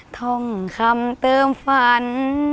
ท่องคำเติมฝัน